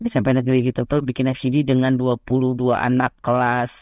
smp negeri gitu tuh bikin fgd dengan dua puluh dua anak kelas